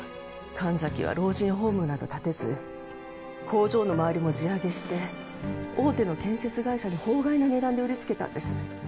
神崎は老人ホームなど建てず工場の周りも地上げして大手の建設会社に法外な値段で売りつけたんです。